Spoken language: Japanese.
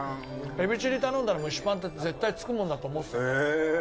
エビチリ頼んだら、蒸しパンって絶対つくもんだと思ってた。